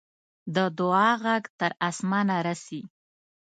د دعا ږغ تر آسمانه رسي.